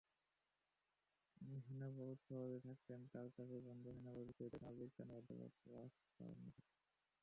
Hanover শহরে থাকতেন তাঁর কাছের বন্ধু হ্যানোভার বিশ্ববিদ্যালয়ের সমাজবিজ্ঞানের অধ্যাপক ওসকার নেগট।